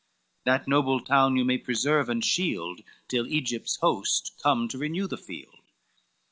That noble town you may preserve and shield, Till Egypt's host come to renew the field."